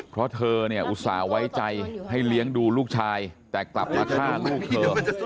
เพราะเธอเนี่ยอุตส่าห์ไว้ใจให้เลี้ยงดูลูกชายแต่กลับมาฆ่าลูกเธอ